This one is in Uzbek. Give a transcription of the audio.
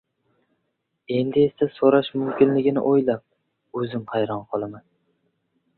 Endi esa so‘rash mumkinligini o‘ylab, o‘zim hayron qolaman.